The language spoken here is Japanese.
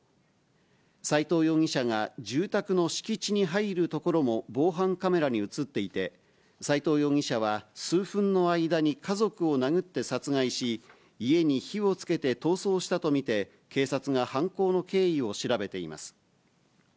斎藤容疑者が住宅の敷地に入るところも防犯カメラに写っていて、斎藤容疑者は、数分の間に家族を殴って殺害し、家に火をつけて逃走したと見て、警察が犯行の経緯を調べています。